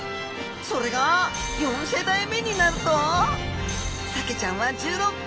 それが４世代目になるとサケちゃんは１６個。